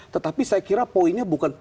tetapi saya kira poinnya bukan